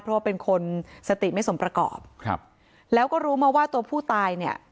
เพราะว่าเป็นคนสติไม่สมประกอบครับแล้วก็รู้มาว่าตัวผู้ตายเนี่ย